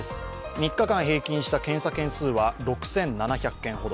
３日間平均した検査件数は６７００件ほど。